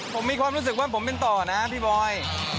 ผมมีความรู้สึกว่าผมเป็นต่อนะพี่บอย